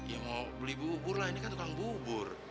ya mau beli bubur lah ini kan tukang bubur